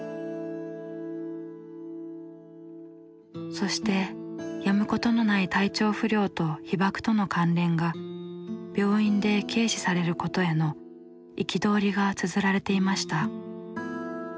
そしてやむことのない体調不良と被爆との関連が病院で軽視されることへの憤りがつづられていました。